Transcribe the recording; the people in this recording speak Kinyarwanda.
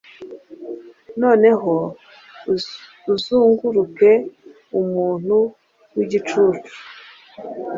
Noneho uzunguruke Umuntu wigicucu